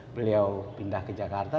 beliau pindah ke jakarta